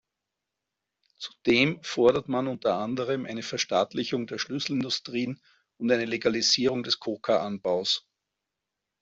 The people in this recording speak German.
Zudem fordert man unter anderem eine Verstaatlichung der Schlüsselindustrien und eine Legalisierung des Koka-Anbaus.